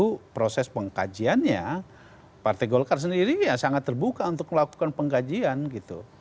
kalau proses pengkajiannya partai golkar sendiri ya sangat terbuka untuk melakukan pengkajian gitu